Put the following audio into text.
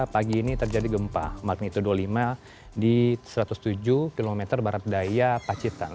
pagi ini terjadi gempa magnitudo lima di satu ratus tujuh km barat daya pacitan